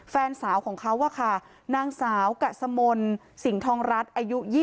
แฟนสาวของเขาค่ะนางสาวกัสมนต์สิงหองรัฐอายุ๒๐